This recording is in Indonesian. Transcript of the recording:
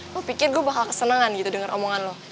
aku pikir gue bakal kesenangan gitu denger omongan lo